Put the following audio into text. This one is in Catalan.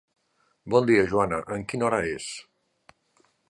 Bon dia, Joana, en quina hora és?